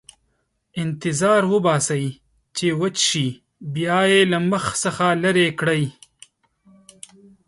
انتظار وباسئ چې وچ شي، بیا یې له مخ څخه لرې کړئ.